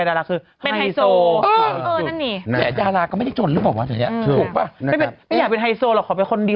อยู่ที่ดีมาขึ้นกันเรื่องนี้ได้ยังไงวะเนี้ย